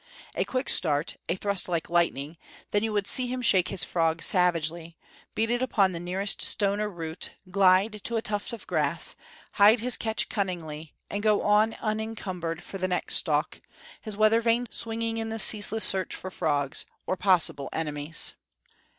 A quick start, a thrust like lightning then you would see him shake his frog savagely, beat it upon the nearest stone or root, glide to a tuft of grass, hide his catch cunningly, and go on unincumbered for the next stalk, his weather vane swinging, swinging in the ceaseless search for frogs, or possible enemies.